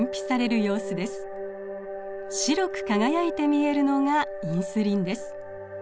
白く輝いて見えるのがインスリンです。